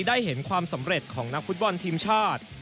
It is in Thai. ได้เห็นความสำเร็จของนักฟุตบอลทีมชาติ